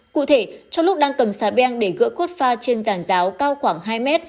cụ thể trong lúc đang cầm xả beng để gỡ cốt pha trên giàn giáo cao khoảng hai m